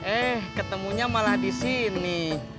eh ketemunya malah di sini